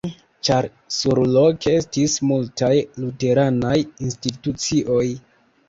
Ĉar surloke estis multaj luteranaj institucioj.